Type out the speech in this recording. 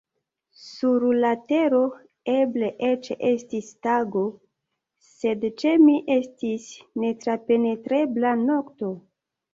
Sur la tero eble eĉ estis tago, sed ĉe mi estis netrapenetrebla nokto.